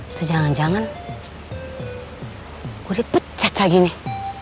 itu jangan jangan gue dipecat lagi nih